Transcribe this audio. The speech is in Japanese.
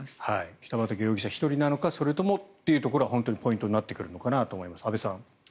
北畠容疑者１人なのかそれともというところは本当にポイントになってくるのかと思います。